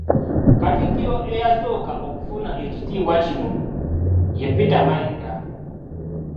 Katikkiro eyasooka okufuna ekitiibwa kino ya Peter Mayiga.